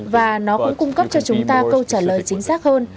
và nó cũng cung cấp cho chúng ta câu trả lời chính xác hơn